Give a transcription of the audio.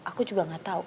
aku juga gak tau